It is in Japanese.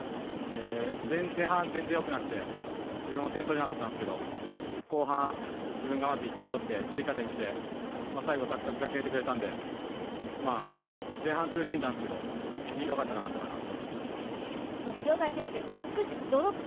前半全然よくなくて、自分も点取れなかったんですけれど、後半、自分がまず１点とって、追加点して、最後、作和が決めてくれたので、前半、苦しんだんですけれどよかったかなと思います。